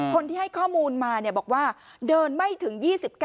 คนที่ให้ข้อมูลมาบอกว่าเดินไม่ถึง๒๙